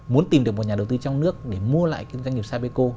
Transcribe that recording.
muốn tìm được một nhà đầu tư trong nước để mua lại cái doanh nghiệp sapeco